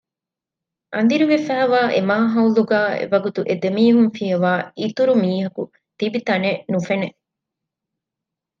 އަނދިރިވެފައިވާ އެ މާހައުލުގައި އެވަގުތު އެދެމީހުން ފިޔަވާ އިތުރު މީހަކު ތިބިތަނެއް ނުފެނެ